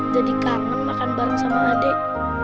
jadi kangen makan bareng sama adek